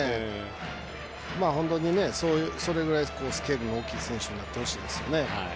本当にそれぐらいスケールの大きい選手になってほしいですね。